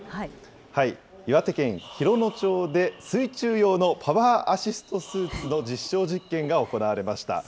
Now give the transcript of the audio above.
岩手県洋野町で、水中用のパワーアシストスーツの実証実験が行われました。